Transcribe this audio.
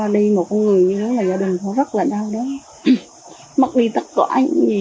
đến ngôi nhà đỡ hưu quạnh